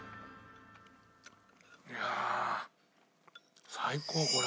いやあ最高これ。